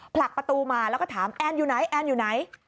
ผลักประตูมาแล้วก็ถามแอนอยู่ไหนแอนอยู่ไหน